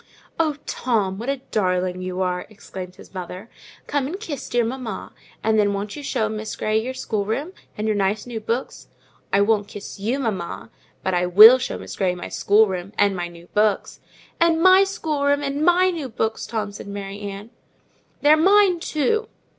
"Oh, Tom, what a darling you are!" exclaimed his mother. "Come and kiss dear mamma; and then won't you show Miss Grey your schoolroom, and your nice new books?" "I won't kiss you, mamma; but I will show Miss Grey my schoolroom, and my new books." "And my schoolroom, and my new books, Tom," said Mary Ann. "They're mine too."